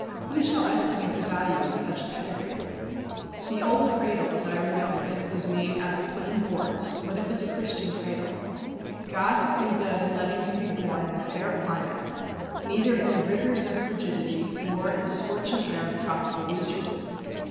Who shall estimate the value of such a pedigree? The old cradle, as I remember it, was made out of plain boards, but it was a Christian cradle. God has been good in letting us be born in a fair climate, neither in the rigours of frigidity nor in the scorching air of tropical regions.